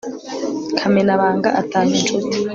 kamenabanga atanya incuti